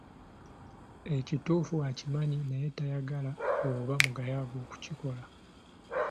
Ekituufu akimanyi naye tayagala oba mugayaavu okukikola.